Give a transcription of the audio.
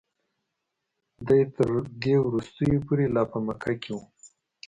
دی تر دې وروستیو پورې لا په مکه کې و.